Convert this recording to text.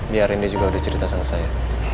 biar reni juga udah cerita sama saya